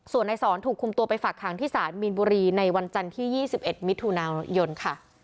ส่วนนายสอนถูกคุมตัวไปฝากหางที่ศาลมีนบุรีในวันจันทร์ที่๒๑มิถุนายนค่ะ